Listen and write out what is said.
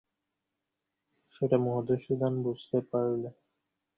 সেই মহাপবিত্রতা, মহাত্যাগই ধর্মলাভের একমাত্র নিগূঢ় উপায়।